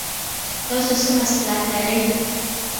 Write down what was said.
تاسو څه مسلک لرئ ؟